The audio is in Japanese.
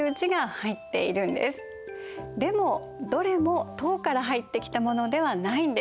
でもどれも唐から入ってきたものではないんです。